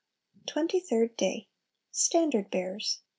23. Twenty third Day. Standard Bearers.